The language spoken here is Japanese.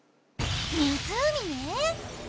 湖ね！